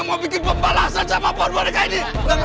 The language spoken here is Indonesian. mau bikin pembalasan siapa pun mereka ini